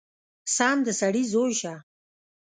سم د سړي زوی شه!!!